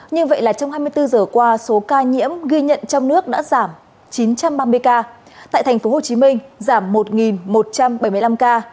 nhưng vậy là trong hai mươi bốn giờ qua số ca nhiễm ghi nhận trong nước đã giảm chín trăm ba mươi ca tại thành phố hồ chí minh giảm một một trăm bảy mươi năm ca